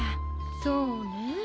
そうねぇ。